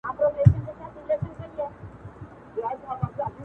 له میاشتونو له کلونو،